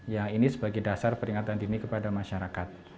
ya ini sebagai dasar peringatan dini kepada masyarakat